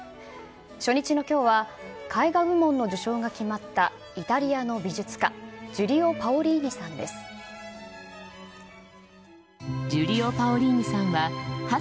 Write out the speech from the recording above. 初日のきょうは、絵画部門の受賞が決まったイタリアの美術家、ジュリオ・パオリーニさんです。